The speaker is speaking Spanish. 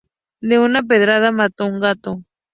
De una pedrada mató un gato.